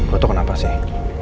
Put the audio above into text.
lo tuh kenapa sih